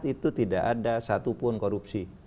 itu tidak ada satupun korupsi